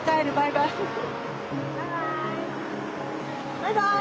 バイバイ。